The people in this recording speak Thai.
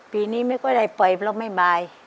ปีนี้ไม่ก็ได้ไปเพราะไม่บ่าย